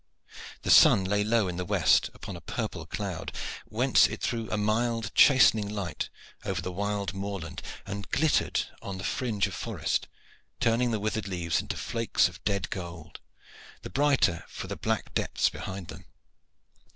The sun lay low in the west upon a purple cloud, whence it threw a mild, chastening light over the wild moorland and glittered on the fringe of forest turning the withered leaves into flakes of dead gold, the brighter for the black depths behind them.